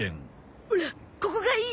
オラここがいい！